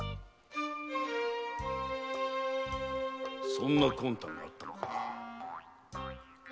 そんな魂胆だったのか。